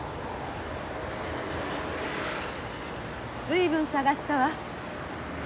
随分捜したわ。